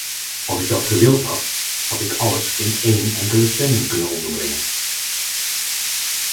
Als ik dat gewild had, had ik alles in één enkele stemming kunnen onderbrengen.